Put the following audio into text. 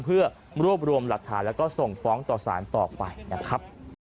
เพื่อรวบรวมหลักฐานแล้วก็ส่งฟ้องต่อสารต่อไปนะครับ